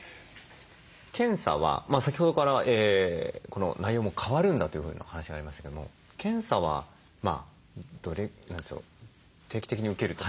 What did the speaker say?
検査は先ほどからこの内容も変わるんだというふうな話がありましたけども検査は定期的に受けるとか。